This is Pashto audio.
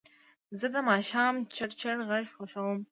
زه د ماښام چړچړ غږ خوښوم.